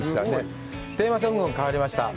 テーマソングも変わりました。